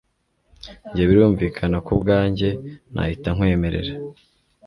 Njye birumvikana ku bwanjye nahita nkwemerera